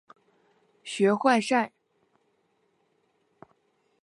学坏晒！